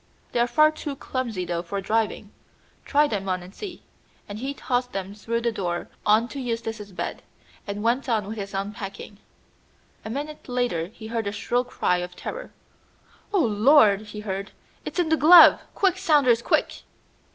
"They are far too clumsy though for driving. Try them on and see," and he tossed them through the door on to Eustace's bed, and went on with his unpacking. A minute later he heard a shrill cry of terror. "Oh, Lord," he heard, "it's in the glove! Quick, Saunders, quick!"